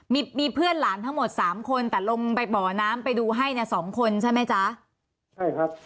มีมีเพื่อนหลานทั้งหมดสามคนแต่ลงไปบ่อน้ำไปดูให้เนี่ยสองคนใช่ไหมจ๊ะใช่ครับ